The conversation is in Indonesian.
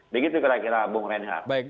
begitu kira kira bung reinhardt